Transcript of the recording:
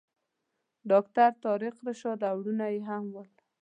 ډاکټر طارق رشاد او وروڼه یې هم ول.